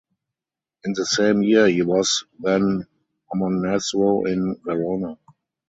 In the same year he was then Amonasro in Verona.